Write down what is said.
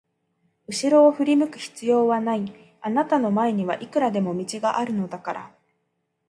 うしろを振り向く必要はない、あなたの前にはいくらでも道があるのだから。